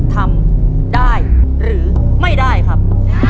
ทำได้หรือไม่ได้ครับ